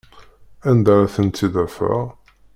Anda ara tent-id-afeɣ?